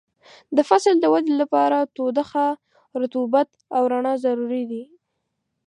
د فصل د ودې لپاره تودوخه، رطوبت او رڼا ضروري دي.